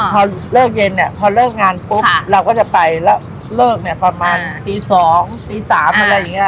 พอเลิกเย็นเนี่ยพอเลิกงานปุ๊บเราก็จะไปแล้วเลิกเนี่ยประมาณตี๒ตี๓อะไรอย่างนี้